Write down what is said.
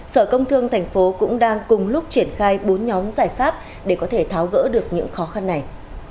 sở công thương thành phố cũng đang cùng lúc triển khai bốn nhóm giải pháp để có thể tháo gỡ được những khó khăn này